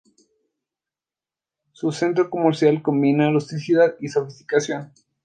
Su centro comercial combina rusticidad y sofisticación.